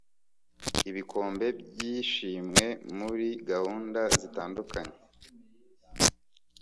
ibikombe by'ishimwe muri gahunda zitandukanye